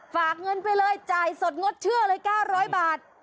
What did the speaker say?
ฝากเงินไปเลยจ่ายสดงดเชื่อเลย๙๐๐บาท